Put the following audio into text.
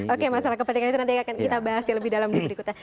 oke masalah kepentingan itu nanti akan kita bahas lebih dalam di berikutnya